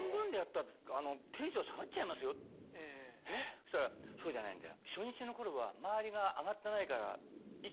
そしたら「そうじゃないんだよ」。